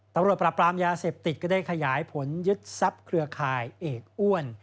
ตำรวจปราบปรามยาเสพติดก็ได้ขยายผลยึดทรัพย์เครือข่ายเอกอ้วน